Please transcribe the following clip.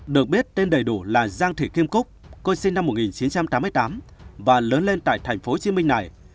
được biết tên đầy đủ là giang thị kim cúc cô sinh năm một nghìn chín trăm tám mươi tám và lớn lên tại tp hcm này